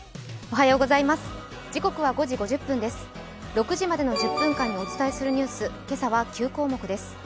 ６時までの１０分間に知っておきたいニュース、今朝は９項目です。